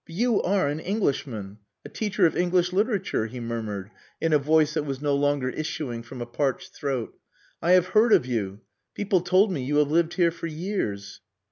"But you are an Englishman a teacher of English literature," he murmured, in a voice that was no longer issuing from a parched throat. "I have heard of you. People told me you have lived here for years."